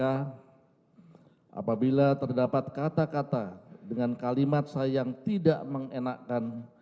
apabila terdapat kata kata dengan kalimat saya yang tidak mengenakan